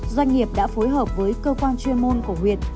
doanh nghiệp đã phối hợp với cơ quan chuyên môn của huyện